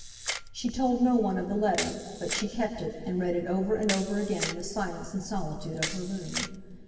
She told no one of the letter, but she kept it, and read it over and over again in the silence and solitude of her room.